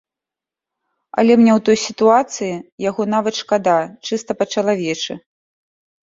Але мне ў той сітуацыі яго нават шкада, чыста па-чалавечы.